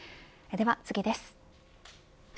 では次です。